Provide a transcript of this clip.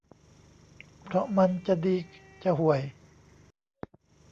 เพราะมันจะดีจะห่วย